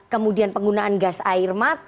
kemudian penggunaan gas air mata